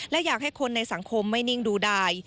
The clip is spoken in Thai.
และอยากให้คนในสังคมไม่นิ่งดูดาย